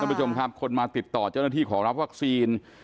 ผู้ชมครับคนมาติดต่อเจ้าหน้าที่ขอรับวัคซีน